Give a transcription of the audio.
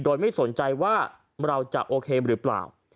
โดยไม่สนใจว่าเราจะโอเคหรือเปล่า